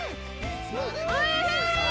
おいしい！